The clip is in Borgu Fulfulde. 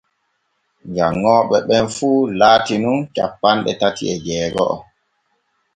Janŋooɓe ɓen fu laati nun cappanɗe tati e jeego’o.